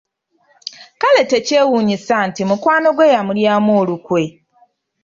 Kale tekyewunyisa nti mukwano gwe y'amulyamu olukwe.